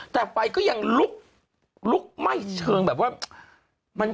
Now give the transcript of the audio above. แต่ไฟก็ยังลุกลุกไหม้เชิงแบบว่า